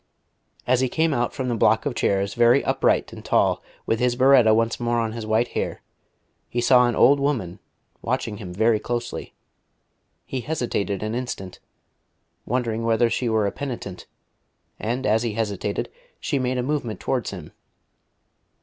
As he came out from the block of chairs, very upright and tall, with his biretta once more on his white hair, he saw an old woman watching him very closely. He hesitated an instant, wondering whether she were a penitent, and as he hesitated she made a movement towards him.